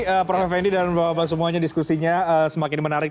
oke prof fendi dan mbak bapak semuanya diskusinya semakin menarik